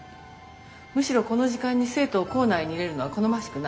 むしろこの時間に生徒を校内に入れるのは好ましくない。